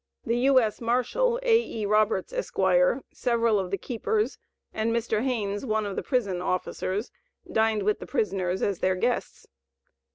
The U.S. Marshal, A.E. Roberts, Esq., several of the keepers, and Mr. Hanes, one of the prison officers, dined with the prisoners as their guests.